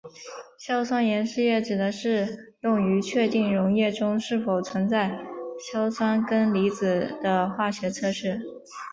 硝酸盐试验指的是用于确定溶液中是否存在硝酸根离子的化学测试。